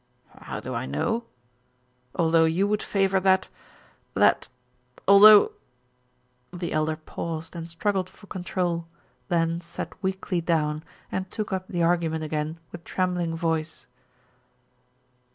"How do I know? Although you would favor that that although " The Elder paused and struggled for control, then sat weakly down and took up the argument again with trembling voice.